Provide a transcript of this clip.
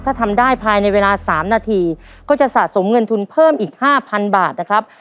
ถ้าทำได้ภายในเวลา๓นาทีก็จะสะสมเงินทุนเพิ่มอีก๕๐๐บาทนะครับ